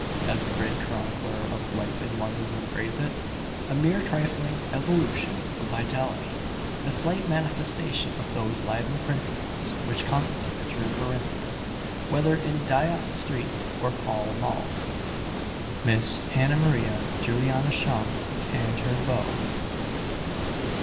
as the great chronicler of Life in London would phrase it a mere trifling ebullition of vitality a slight manifestation of those lively principles which constitute a true "Corinthian," whether in Dyott street or Pall mall. MISS HANNAH MARIA JULIANA SHUM AND HER BEAU.